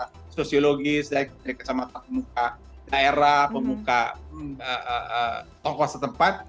dari kacamata sosiologis dari kacamata pemuka daerah pemuka tokoh setempat